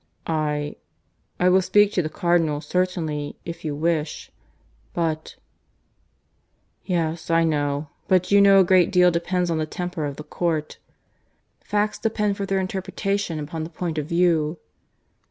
"I ... I will speak to the Cardinal, certainly, if you wish. But " "Yes, I know. But you know a great deal depends on the temper of the court. Facts depend for their interpretation upon the point of view."